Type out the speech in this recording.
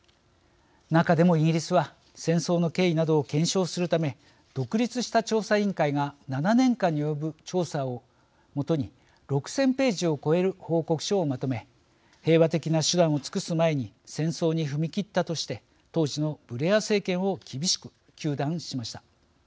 中でもイギリスは戦争の経緯などを検証するため独立した調査委員会が７年間に及ぶ調査を基に６０００ページを超える報告書をまとめ平和的な手段を尽くす前に戦争に踏み切ったとして当時のブレア政権を厳しく糾弾しました。